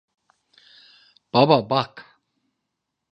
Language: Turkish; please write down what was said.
Baba, bak!